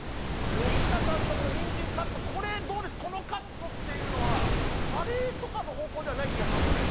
生田さんのにんじんカットこれこのカットっていうのはカレーとかの方向ではない気がしますよね。